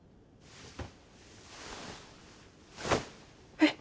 えっ！？